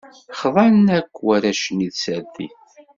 Xḍan akk warrac-nni i tsertit.